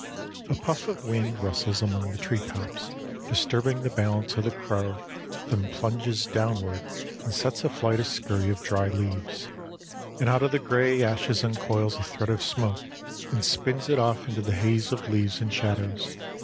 A puff of wind rustles among the treetops, disturbing the balance of the crow, then plunges downward and sets aflight a scurry of dry leaves, and out of the gray ashes uncoils a thread of smoke and spins it off into the haze of leaves and shadows.